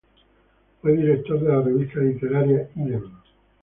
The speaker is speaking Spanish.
Fue director de la revista literaria "Ídem".